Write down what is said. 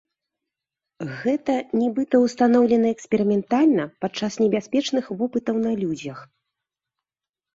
Гэта, нібыта, устаноўлена эксперыментальна падчас небяспечных вопытаў на людзях.